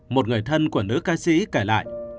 một người thân của nữ ca sĩ kể lại